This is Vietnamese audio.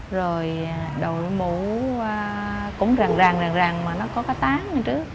rồi đội mũ cũng rằn rằn rằn rằn mà nó có cái tán như trước